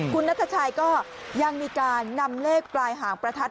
คุณนัทชัยก็ยังมีการนำเลขปลายหางประทัด